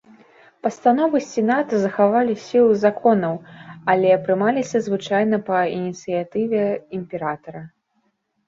Пастановы сената захавалі сілу законаў, але прымаліся звычайна па ініцыятыве імператара.